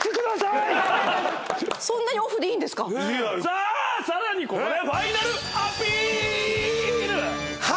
さあさらにここで。